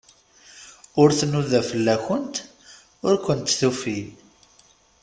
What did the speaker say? Ur tnuda fell-akent, ur kent-tufi.